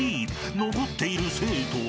［残っている生徒は］